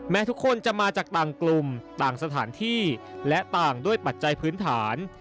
ทุกคนจะมาจากต่างกลุ่มต่างสถานที่และต่างด้วยปัจจัยพื้นฐาน